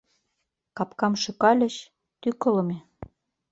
Капкам шӱкальыч — тӱкылымӧ.